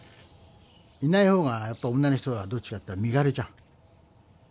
いない方がやっぱ女の人はどっちかっていったら身軽じゃん。